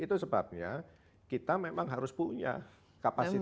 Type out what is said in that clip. itu sebabnya kita memang harus punya kapasitas di situ